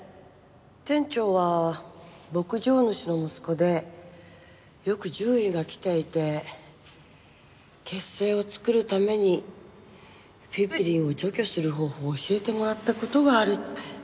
店長は牧場主の息子でよく獣医が来ていて血清を作るためにフィブリンを除去する方法を教えてもらった事があるって。